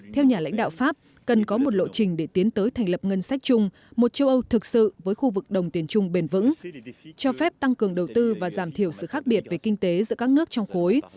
theo nhà lãnh đạo pháp cần có một lộ trình để tiến tới thành lập ngân sách chung một châu âu thực sự với khu vực đồng tiền chung bền vững cho phép tăng cường đầu tư và giảm thiểu sự khác biệt về kinh tế giữa các nước trong khối